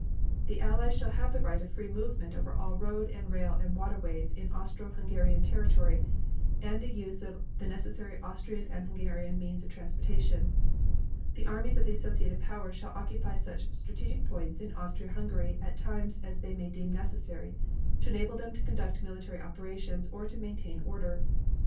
The Allies shall have the right of free movement over all road and rail and waterways in Austro Hungarian territory and of the use of the necessary Austrian and Hungarian means of transportation. The armies of the associated Powers shall occupy such strategic points in Austria Hungary at times as they may deem necessary to enable them to conduct military operations or to maintain order.